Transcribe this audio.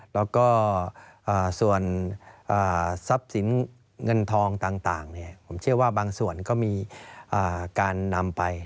แล้วก็ส่วนทรัพย์สินเงินทองต่างผมเชื่อว่าบางส่วนก็มีการนำไป